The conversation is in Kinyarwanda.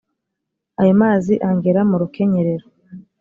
ayo mazi angera mu rukenyerero